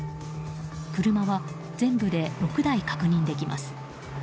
車は全部で６台確認できます。